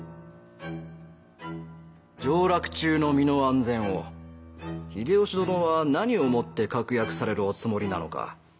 上洛中の身の安全を秀吉殿は何をもって確約されるおつもりなのか。